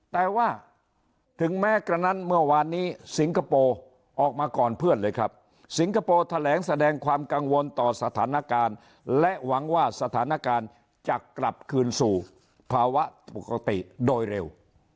แต่ว่าถึงแม้กระนั้นเมื่อวานนี้สิงคโปร์ออกมาก่อนเพื่อนเลยครับสิงคโปร์แถลงแสดงความกังวลต่อสถานการณ์และหวังว่าสถานการณ์จะกลับคืนสู่ภาวะปกติโดยเร็ว